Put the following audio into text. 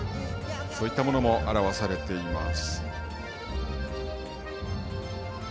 そういったものも表されています。